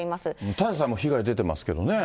ただでさえもう被害出てますけどね。